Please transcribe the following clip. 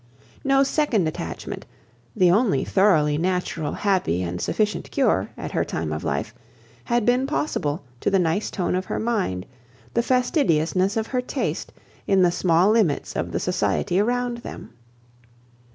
No second attachment, the only thoroughly natural, happy, and sufficient cure, at her time of life, had been possible to the nice tone of her mind, the fastidiousness of her taste, in the small limits of the society around them.